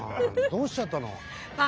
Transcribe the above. どうしちゃったの？